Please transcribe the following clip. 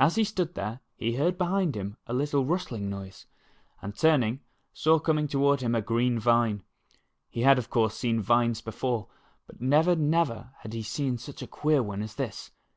As he stood there, he heard behind him a little rustling noise, and turning, saw coming toward him a green vine. He had, of course, seen vines before, but never, never had he seen such a queer one as this.